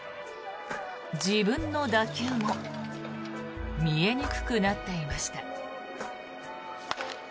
自分の打球も見えにくくなっていました。